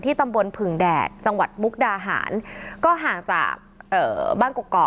ที่ตำบลผึ่งแดดสังวัดมุกดาหารก็ห่างจากเอ่อบ้านกรกกร